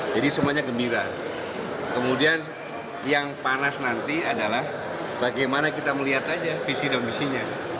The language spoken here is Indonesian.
jadi semuanya gembira kemudian yang panas nanti adalah bagaimana kita melihat saja visi dan misinya